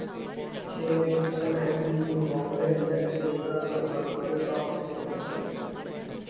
সেন একজন আইনজীবী ও বক্তা হিসাবে দুর্দান্ত জনপ্রিয়তা অর্জন করেছিলেন।